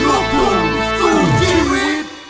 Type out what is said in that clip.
ฝากเพลงสู้รอยผ่านจากใจ